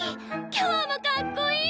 今日もかっこいい！